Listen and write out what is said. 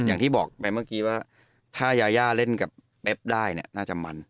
อย่างที่บอกไปเมื่อกี้ว่าถ้ายาย่าเล่นกับเป๊บได้เนี่ยน่าจะมัน